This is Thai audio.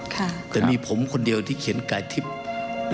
แต่มีผมคนเดียวที่เขียนกายทิพย์